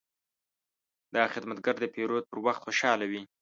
دا خدمتګر د پیرود پر وخت خوشحاله وي.